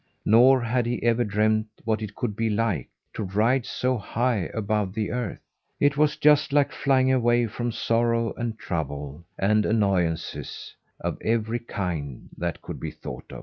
Nor had he ever dreamed what it could be like to ride so high above the earth. It was just like flying away from sorrow and trouble and annoyances of every kind that could be thought of.